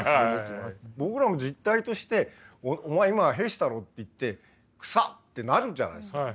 僕らも実体として「お前今屁したろ」って言って「くさっ！」ってなるじゃないですか。